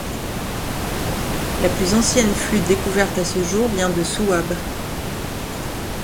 La plus ancienne flûte découverte à ce jour vient de Souabe.